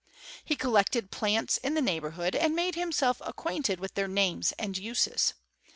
He collected plants in the neighbourhood, and made himself acquainted with their names and uses.